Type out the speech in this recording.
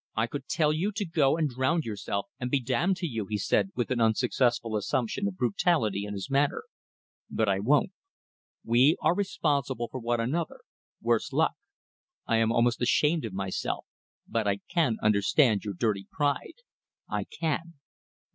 "I could tell you to go and drown yourself, and be damned to you," he said, with an unsuccessful assumption of brutality in his manner, "but I won't. We are responsible for one another worse luck. I am almost ashamed of myself, but I can understand your dirty pride. I can!